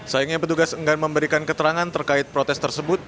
sayangnya petugas enggan memberikan keterangan terkait protes tersebut